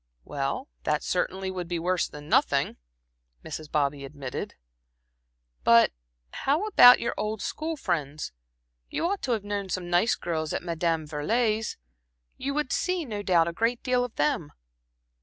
"Well, that certainly would be worse than nothing," Mrs. Bobby admitted. "But how about your old school friends? You must have known some nice girls at Madame Veuillet's. You would see, no doubt, a great deal of them."